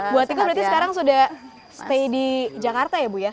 bu atiko berarti sekarang sudah stay di jakarta ya bu ya